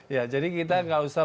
ya jadi kita nggak usah